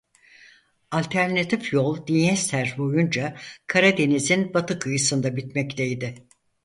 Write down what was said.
Alternatif yol Dinyester boyunca Karadeniz'in batı kıyısında bitmekteydi.